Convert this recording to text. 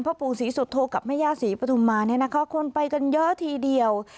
ปู่ศรีสุโธกับแม่ย่าศรีปฐุมมาเนี่ยนะคะคนไปกันเยอะทีเดียว